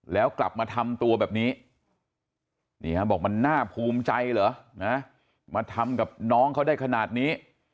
แล้วกลับมาทำตัวแบบนี้บอกมันน่าภูมิใจเหรอนะมาทำกับน้องเขาได้ขนาดนี้